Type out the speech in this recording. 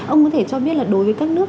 ông có thể cho biết là đối với các nước